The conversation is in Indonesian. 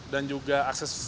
dan juga akses stabilitas